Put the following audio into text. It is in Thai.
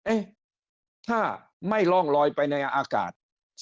เอ๊ะถ้าไม่ร่องลอยไปในอากาศ